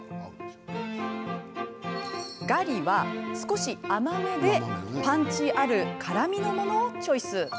ガリは、少し甘めでパンチある辛みのものをチョイス。